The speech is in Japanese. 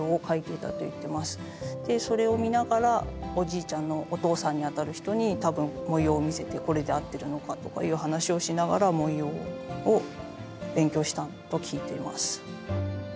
でそれを見ながらおじいちゃんのお父さんにあたる人に多分文様を見せてこれで合ってるのかとかいう話をしながら文様を勉強したと聞いています。